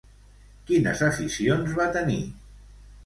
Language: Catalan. Quines aficions va tenir?